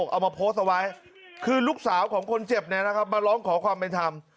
เอามาโพสต์เอาไว้คือลูกสาวของคนเจ็บมาร้องขอความเป็นธรรม